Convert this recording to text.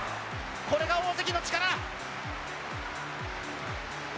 これが大関の力。